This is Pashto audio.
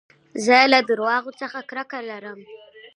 زه له درواغو څخه کرکه لرم.